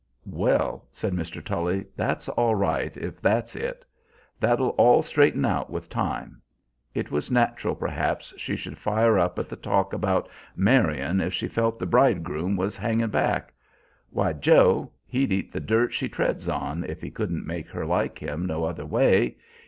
"Well," said Mr. Tully, "that's all right, if that's it. That'll all straighten out with time. It was natural perhaps she should fire up at the talk about marryin' if she felt the bridegroom was hangin' back. Why, Joe, he'd eat the dirt she treads on, if he couldn't make her like him no other way!